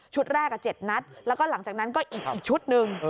แรก๗นัดแล้วก็หลังจากนั้นก็อีกชุดหนึ่ง